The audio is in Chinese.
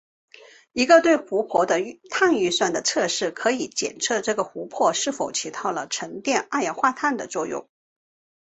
一个对湖泊的碳预算的测试可以检测这个湖泊是否起到了沉淀二氧化碳的作用。